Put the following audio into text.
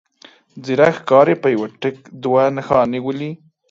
ځيرک ښکاري په يوه ټک دوه نښانه ولي.